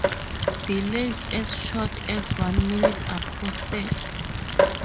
Delays as short as one minute are posted.